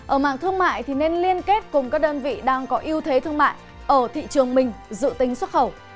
ở mạng thương mại thì nên liên kết cùng các đơn vị đang có ưu thế thương mại ở thị trường mình dự tính xuất khẩu